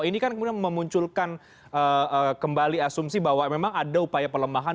ini kan kemudian memunculkan kembali asumsi bahwa memang ada upaya pelemahan